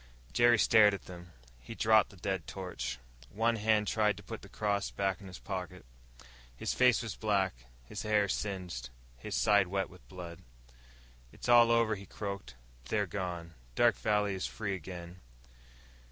Jerry stared at them. He dropped the dead torch. One hand tried to put the cross back into his pocket. His face was black, his hair singed, his side wet with blood. "It's all over," he croaked. "They're gone. Dark Valley is free again."